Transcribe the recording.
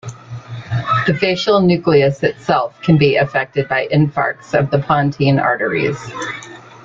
The facial nucleus itself can be affected by infarcts of the pontine arteries.